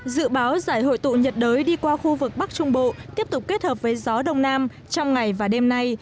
dự báo giải hội tụ nhiệt đới đi qua khu vực bắc trung bộ tiếp tục kết hợp với gió đông nam trong ngày và đêm nay